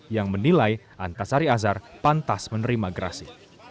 yang menilai antasari azhar pantas menerima gerasi